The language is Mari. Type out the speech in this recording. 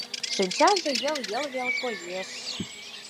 Шинчаже йыл-йыл веле коеш.